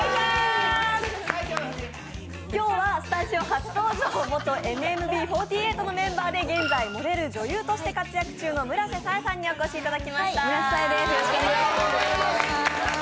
今日はスタジオ初登場、元ＮＭＢ４８のメンバーで現在、モデル、女優として活躍中の村瀬紗英さんにお越しいただきました。